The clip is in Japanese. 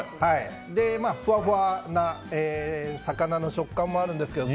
ふわふわな魚の食感もあるんですけど